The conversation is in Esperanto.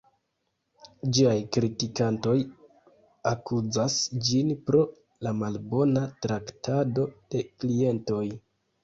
Ĝiaj kritikantoj akuzas ĝin pro la malbona traktado de klientoj.